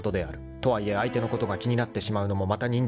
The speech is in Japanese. ［とはいえ相手のことが気になってしまうのもまた人情である。